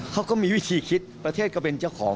เขาก็มีวิธีคิดประเทศก็เป็นเจ้าของ